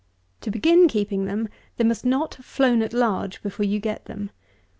To begin keeping them, they must not have flown at large before you get them.